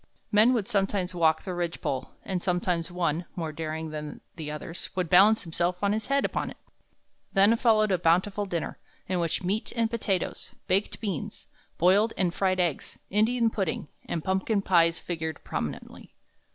Men would sometimes walk the ridge pole, and sometimes one, more daring than the others, would balance himself on his head upon it. "Then followed a bountiful dinner, in which meat and potatoes, baked beans, boiled and fried eggs, Indian pudding, and pumpkin pies figured prominently.